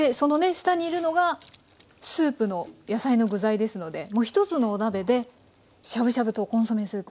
下にいるのがスープの野菜の具材ですのでもう１つのお鍋でしゃぶしゃぶとコンソメスープ